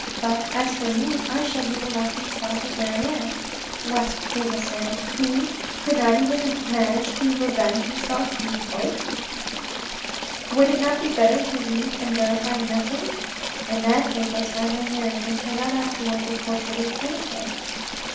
But as for me, I shall be the laughing stock of Verrieres. ' What,' they will say, ' he could not even manage to revenge himself on his wife !' Would it not be better to leave it and verify nothing ? In that case I tie my hands, and cannot afterwards reproach her with anything."